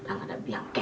tak ada biang biang lagi